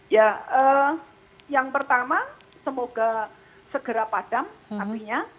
ya yang pertama semoga segera padam apinya